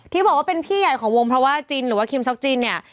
ที่บอกว่าเป็นพี่ใหญ่ของวงเพราะว่าจินหรือว่าคิมช็อกจินเนี่ย